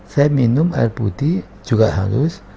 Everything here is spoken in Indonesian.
saya minum air putih juga halus